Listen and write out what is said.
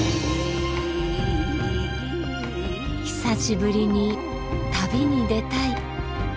久しぶりに旅に出たい。